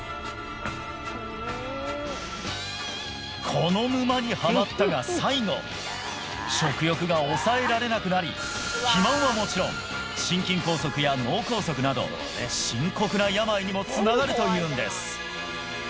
この沼にハマったが最後食欲が抑えられなくなり肥満はもちろん心筋梗塞や脳梗塞など深刻な病にもつながるというんです